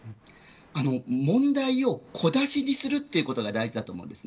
問題を小出しにするということが大事だと思います。